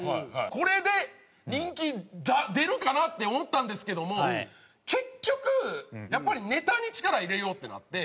これで人気出るかなって思ったんですけども結局やっぱりネタに力入れようってなって。